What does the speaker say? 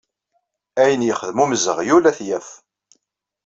Ayen yexdem umzeɣyul ad t-yaf.